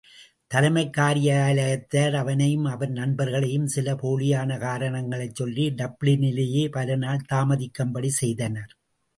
தலைமைக் காரியாலயத்தார் அவனையும் அவன் நண்பர்களையும், சில போலியான காரணங்களைச் சொல்லி, டப்ளினிலேயே பலநாள் தாமதிக்கும்படி செய்தனர்.